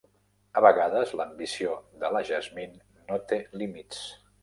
A vegades, l'ambició de la Yasmin no té límits.